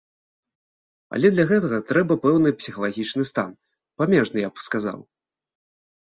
Але для гэтага трэба пэўны псіхалагічны стан, памежны, я б сказаў.